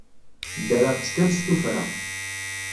Ddreɣ-tt kan s tuffra.